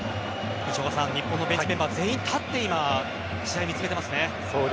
日本のベンチメンバー全員立って今、試合を見つめています。